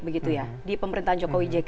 begitu ya di pemerintahan jokowi jk